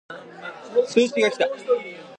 通知が来た